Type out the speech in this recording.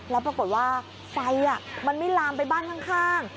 แล้วปรากฏว่าไฟมันไม่ลามไปบ้านข้าง